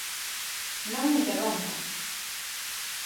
¡Non interrompa!